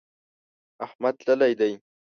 احمد تللی دی.